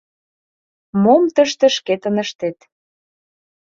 Мом тыште шкетын ыштет.